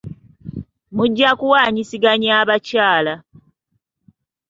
Mujja kuwanyisiganya abakyala.